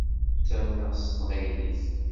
Ttamneɣ s teqbaylit.